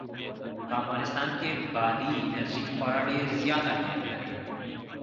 په افغانستان کې بادي انرژي خورا ډېر زیات اهمیت لري.